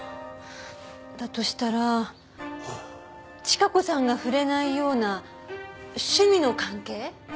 だとしたらチカ子さんが触れないような趣味の関係？